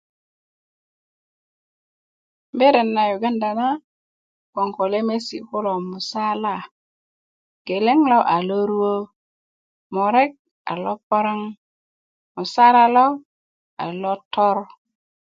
berat na yuganda na gboŋ ko lemesi' musala geleŋ a loruwö murek loa lo paraŋ tomusala lo a lotor